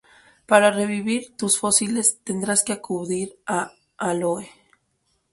Para revivir tus fósiles, tendrás que acudir a Aloe.